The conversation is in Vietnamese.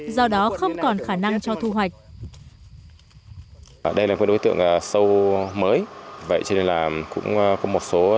do đó không còn khả năng cho thu hoạch